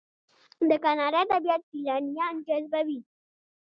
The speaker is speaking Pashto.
د کاناډا طبیعت سیلانیان جذبوي.